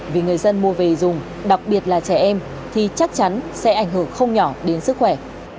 vì người dân mua về dùng đặc biệt là trẻ em thì chắc chắn sẽ ảnh hưởng không nhỏ đến sức khỏe